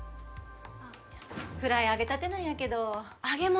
あっフライ揚げたてなんやけど揚げ物？